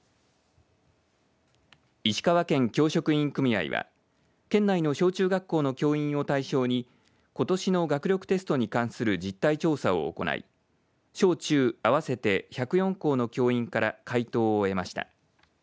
石川県教職員組合は県内の小中学校の教員を対象にことしの学力テストに関する実態調査を行い小中合わせて１０４校の教員から回答を得ました。